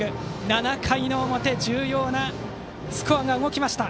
７回の表重要なスコアが動きました。